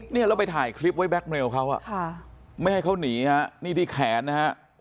นี่เราไปถ่ายคลิปไว้แบ็คเมลเขาอะไม่ให้เขานีฮะนี่ที่แขนนะฮะ